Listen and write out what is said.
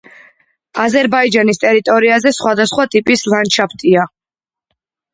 აზერბაიჯანის ტერიტორიაზე სხვადასხვა ტიპის ლანდშაფტია.